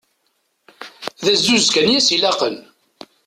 D azduz kan i as-ilaqen.